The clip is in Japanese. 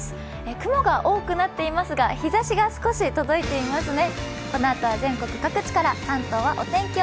雲が多くなっていますが日ざしが少し届いていますね。